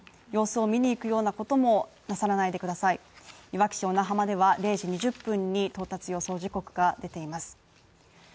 様子を見に行くようなこともなさらないでください、いわき市小名浜では０時２０分に到達予想時刻が出ています。